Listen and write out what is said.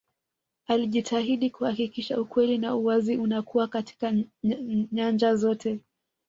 alijitahidi kuhakikisha ukweli na uwazi unakuwa katika nyanja zote